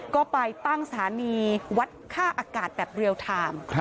ก็ไปตั้งสถานีวัดค่าอากาศแบบเรียลไทม์